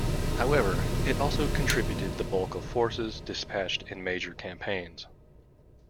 However, it also contributed the bulk of forces dispatched in major campaigns.